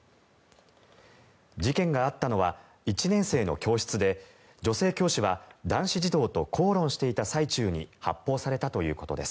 事件があったのは１年生の教室で女性教師は男子児童と口論していた最中に発砲されたということです。